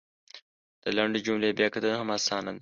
د لنډو جملو بیا کتنه هم اسانه ده !